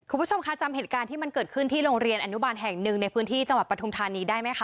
คุณผู้ชมคะจำเหตุการณ์ที่มันเกิดขึ้นที่โรงเรียนอนุบาลแห่งหนึ่งในพื้นที่จังหวัดปฐุมธานีได้ไหมคะ